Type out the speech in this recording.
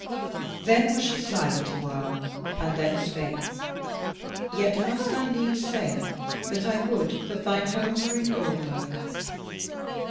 Then was she silent awhile, and then spake: "Yet must I needs say that I would that thine home were in Goldburg."